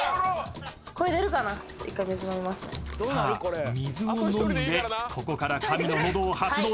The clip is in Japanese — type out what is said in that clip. ［さあ水を飲んでここから神の喉を発動していきます］